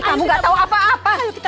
kamu gak tahu apa apa